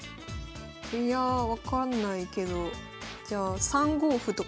いや分かんないけどじゃあ３五歩とかにします。